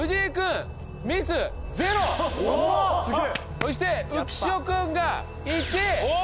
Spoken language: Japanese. そして浮所君が１。